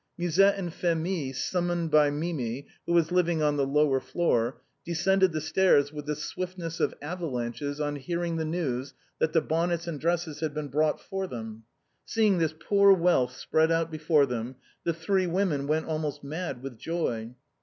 Musette and Phémie, summoned by Mimi, who was liv ing on the lower floor, descended the stairs with the swift 220 THE BOHEMIANS OF THE LATIIJT QUARTER. ness of avalanches on hearing the news that bonnets and dresses had been brought for them. Seeing this poor wealth spread out before them, the three women went almost mad with joy.